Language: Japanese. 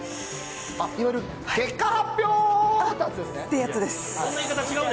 いわゆる結果発表ってやつですね。